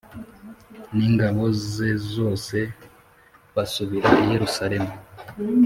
n ingabo ze zose basubira i Yerusalemu